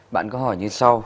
bạn có hỏi như sau